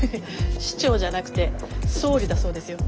市長じゃなくて総理だそうですよ。